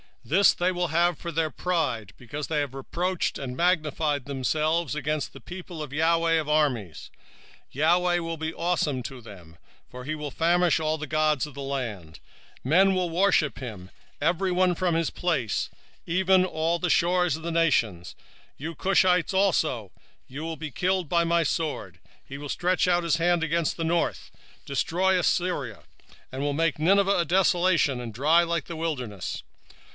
2:10 This shall they have for their pride, because they have reproached and magnified themselves against the people of the LORD of hosts. 2:11 The LORD will be terrible unto them: for he will famish all the gods of the earth; and men shall worship him, every one from his place, even all the isles of the heathen. 2:12 Ye Ethiopians also, ye shall be slain by my sword. 2:13 And he will stretch out his hand against the north, and destroy Assyria; and will make Nineveh a desolation, and dry like a wilderness.